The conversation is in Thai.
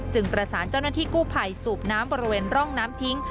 ประสานเจ้าหน้าที่กู้ภัยสูบน้ำบริเวณร่องน้ำทิ้ง